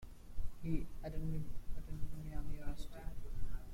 He attended Miami University.